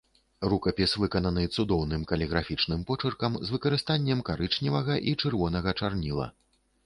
Рукапіс выкананы цудоўным каліграфічным почыркам з выкарыстаннем карычневага і чырвонага чарніла.